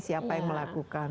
siapa yang melakukan